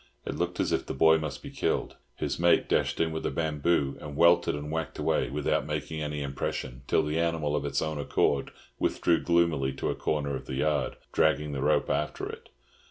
It looked as if the boy must be killed. His mate dashed in with a bamboo, and welted and whacked away without making any impression, till the animal of its own accord withdrew gloomily to a corner of the yard, dragging the rope after it.